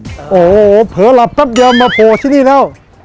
โอ้โหเผลอหลับแป๊บเดียวมาโผล่ที่นี่แล้ว